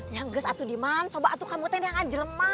ya ngga satu di mana coba kamu yang ngejelm